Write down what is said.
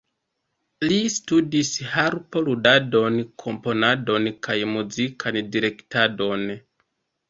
Li studis harpo-ludadon, komponadon kaj muzikan direktadon.